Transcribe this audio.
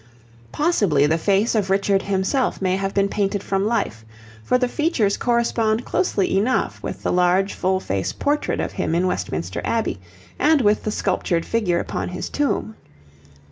Possibly the face of Richard himself may have been painted from life, for the features correspond closely enough with the large full face portrait of him in Westminster Abbey, and with the sculptured figure upon his tomb.